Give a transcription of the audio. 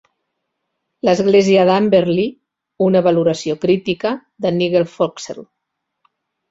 "L'església d'Amberley: una valoració crítica", de Nigel Foxell.